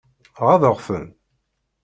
Ɣaḍeɣ-ten?